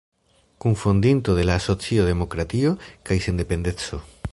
Kunfondinto de la asocio Demokratio kaj sendependeco.